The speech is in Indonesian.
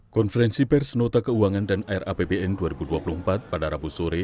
konferensi persenota keuangan dan rapbn dua ribu dua puluh empat pada rabu sore